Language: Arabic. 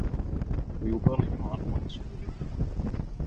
وَيُبَرْهِنُ عَنْ مَحْصُولِهِ